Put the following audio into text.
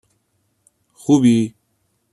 خوبی؟